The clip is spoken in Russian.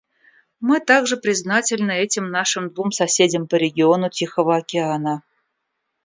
Мы также признательны этим нашим двум соседям по региону Тихого океана.